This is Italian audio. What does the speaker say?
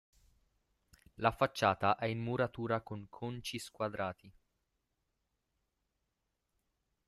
La facciata è in muratura con conci squadrati.